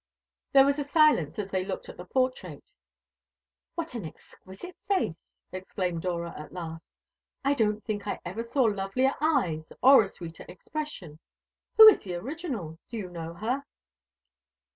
There was a silence as they looked at the portrait. "What an exquisite face!" exclaimed Dora at last. "I don't think I ever saw lovelier eyes or a sweeter expression. Who is the original? Do you know her?"